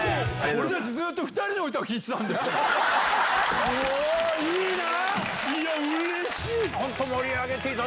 俺たち、ずっと２人の歌を聴いてたんですか？